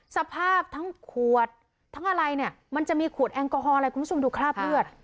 สภาพทั้งขวดทั้งอะไรเนี่ยมันจะมีขวดแอลกอฮอลอะไรคุณผู้ชมดูคราบเลือด